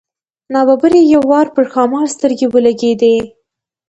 نا ببره یې یو وار پر ښامار سترګې ولګېدې.